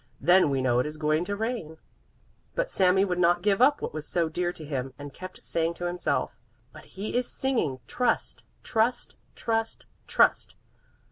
Then we know it is going to rain." But Sami would not give up what was so dear to him and kept saying to himself: "But he is singing: 'Trust! Trust! Trust! Trust!